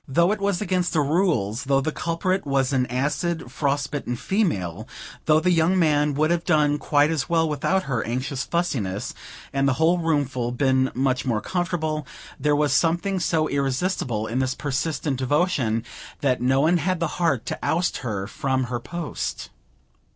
Though it was against the rules, though the culprit was an acid, frost bitten female, though the young man would have done quite as well without her anxious fussiness, and the whole room full been much more comfortable, there was something so irresistible in this persistent devotion, that no one had the heart to oust her from her post.